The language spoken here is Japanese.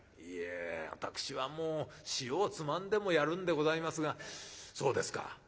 「いえ私はもう塩をつまんでもやるんでございますがそうですか。